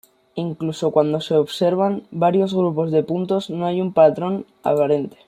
Incluso cuando se observan varios grupos de puntos, no hay un patrón aparente.